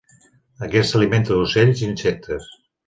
Aquesta s'alimenta d'ocells i insectes.